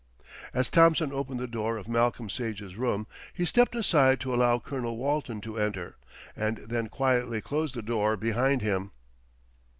As Thompson opened the door of Malcolm Sage's room, he stepped aside to allow Colonel Walton to enter, and then quietly closed the door behind him.